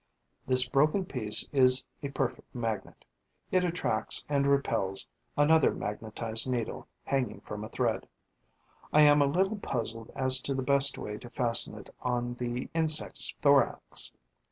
This broken piece is a perfect magnet: it attracts and repels another magnetised needle hanging from a thread. I am a little puzzled as to the best way to fasten it on the insect's thorax.